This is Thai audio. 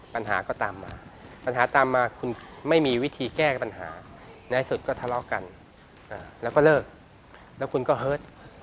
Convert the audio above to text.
ปัญหาก็ตามมาปัญหาตามมาคุณไม่มีวิธีแก้ปัญหาในสุดก็ทะเลาะกันแล้วก็เลิกแล้วคุณก็เฮิต